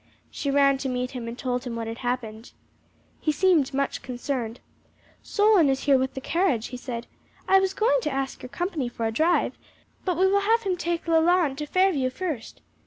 She ran to meet him and told him what had happened. He seemed much concerned. "Solon is here with the carriage," he said. "I was going to ask your company for a drive, but we will have him take Leland to Fairview first.